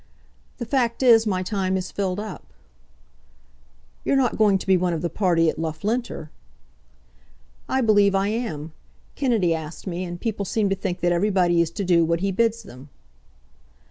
"The fact is, my time is filled up." "You're not going to be one of the party at Loughlinter?" "I believe I am. Kennedy asked me, and people seem to think that everybody is to do what he bids them."